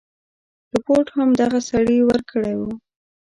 رپوټ هم دغه سړي ورکړی وو.